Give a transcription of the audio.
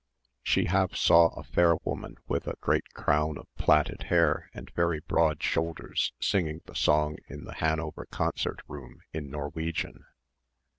She half saw a fair woman with a great crown of plaited hair and very broad shoulders singing the song in the Hanover concert room in Norwegian.